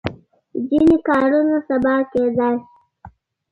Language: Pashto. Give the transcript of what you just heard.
ځینې کارونه سبا کېدای شي.